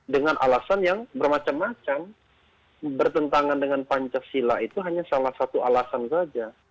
dengan alasan yang bermacam macam bertentangan dengan pancasila itu hanya salah satu alasan saja